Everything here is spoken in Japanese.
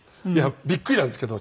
びっくりなんですけど。